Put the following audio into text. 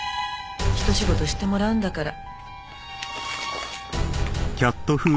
ひと仕事してもらうんだから。